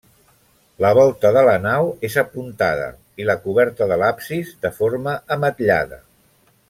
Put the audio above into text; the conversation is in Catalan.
La volta de la nau és apuntada, i la coberta de l'absis, de forma ametllada.